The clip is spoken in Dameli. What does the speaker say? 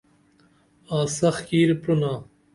آں سخت کِیر پرینا